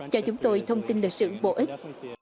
cho chúng tôi thông tin là sự bổ ích